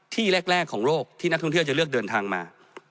ที่แรกของโลกที่นักท่องเที่ยวจะเลือกเดินทางมา